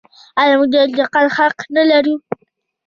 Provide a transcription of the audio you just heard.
آیا موږ د انتقاد حق نلرو؟